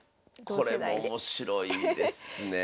これも面白いですね。